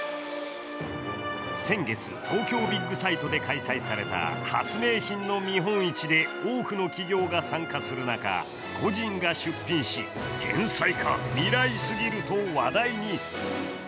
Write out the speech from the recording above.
先月、東京ビッグサイトで開かれた発明品の見本市で多くの企業が参加する中、個人が出品し天才か、未来すぎると話題に。